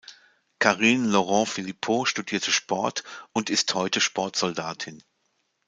Karine Laurent Philippot studierte Sport und ist heute Sportsoldatin.